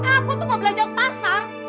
aku tuh mau belajar pasar